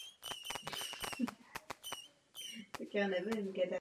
Každá země samozřejmě přikládá těmto dvěma cílům různou úroveň důležitosti.